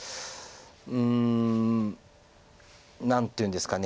うん何ていうんですか。